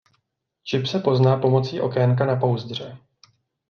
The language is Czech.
Čip se pozná pomocí okénka na pouzdře.